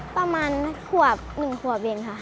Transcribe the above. ประมาณขวบ๑ขวบเองค่ะ